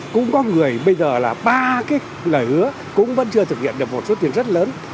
cũng có người bây giờ là ba cái lời hứa cũng vẫn chưa thực hiện được một số tiền rất lớn